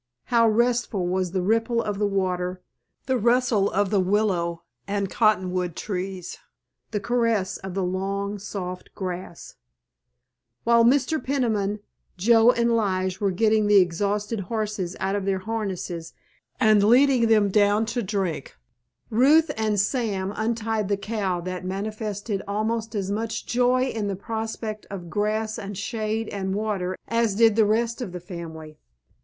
How restful was the ripple of the water, the rustle of the willow and cottonwood trees, the caress of the long, soft grass! While Mr. Peniman, Joe and Lige were getting the exhausted horses out of their harness and leading them down to drink, Ruth and Sam untied the cow, that manifested almost as much joy in the prospect of grass and shade and water as did the rest of the family.